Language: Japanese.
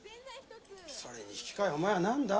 それに引き換えお前は何だ？